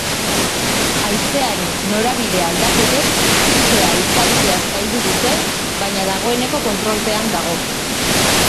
Haizearen norabide aldaketek sutea itzaltzea zaildu dute, baina dagoeneko kontrolpean dago.